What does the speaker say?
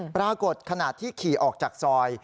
ปรากฏขณะที่ขี่ออกจากซอย